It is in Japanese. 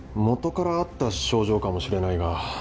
元からあった症状かもしれないが。